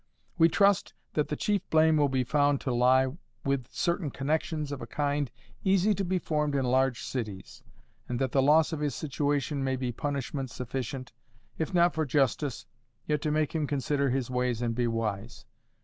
We trust that the chief blame will be found to lie with certain connexions of a kind easy to be formed in large cities, and that the loss of his situation may be punishment sufficient, if not for justice, yet to make him consider his ways and be wise.